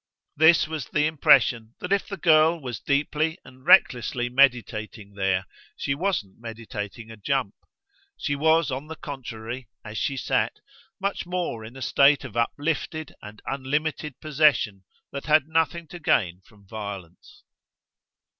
This was the impression that if the girl was deeply and recklessly meditating there she wasn't meditating a jump; she was on the contrary, as she sat, much more in a state of uplifted and unlimited possession that had nothing to gain from violence.